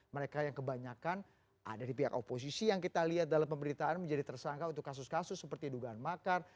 mereka yang kebanyakan ada di pihak oposisi yang kita lihat dalam pemberitaan menjadi tersangka untuk kasus kasus seperti dugaan makar